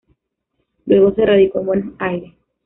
Luego se radicó en Buenos Aires.